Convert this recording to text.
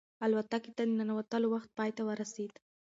الوتکې ته د ننوتلو وخت پای ته ورسېد.